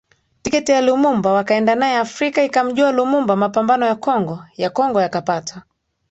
tiketi ya Lumumba Wakaenda naye Afrika ikamjua Lumumba Mapambano ya Kongo ya Kongo yakapata